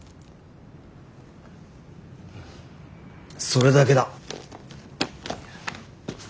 それだけだ。